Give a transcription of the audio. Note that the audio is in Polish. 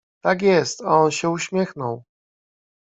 "Tak jest, on się uśmiechnął."